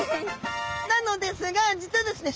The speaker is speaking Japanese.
なのですが実はですね